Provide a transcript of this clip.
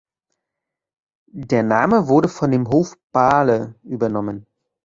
Der Name wurde von dem Hof "Bale" übernommen.